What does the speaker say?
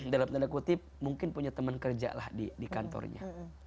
dalam tanda kutip mungkin punya teman kerja lah di kantornya